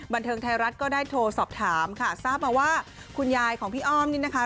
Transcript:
บันเทิงไทยรัฐก็ได้โทรสอบถามค่ะทราบมาว่าคุณยายของพี่อ้อมนี่นะคะ